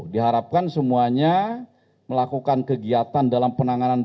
diharapkan semuanya melakukan kegiatan dalam penanganan